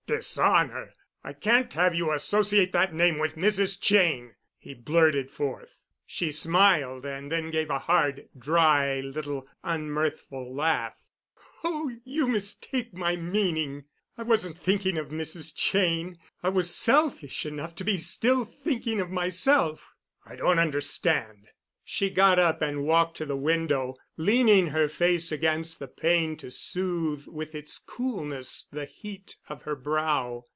"Dishonor? I can't have you associate that name with Mrs. Cheyne," he blurted forth. She smiled and then gave a hard, dry, little unmirthful laugh. "Oh, you mistake my meaning. I wasn't thinking of Mrs. Cheyne. I was selfish enough to be still thinking of myself." "I don't understand." She got up and walked to the window, leaning her face against the pane to soothe with its coolness the heat of her brow.